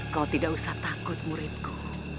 kau tidak usah takut muridku